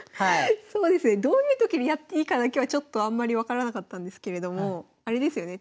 そうですねどういう時にやっていいかだけはちょっとあんまり分からなかったんですけれどもあれですよね